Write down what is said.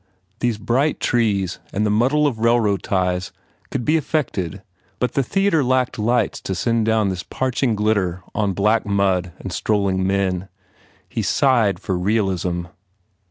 These bright trees and the muddle of railroad ties could be effected but the theatre lacked lights to send down this parching glitter on black mud and strolling men. He sighed for realism.